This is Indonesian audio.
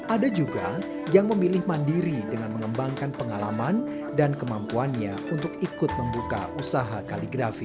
ada juga yang memilih mandiri dengan mengembangkan pengalaman dan kemampuannya untuk ikut membuka usaha kaligrafi